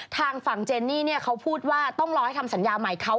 ทางฝั่งเจนนี่เขาพูดว่าต้องรอให้คำสัญญาใหม่เขา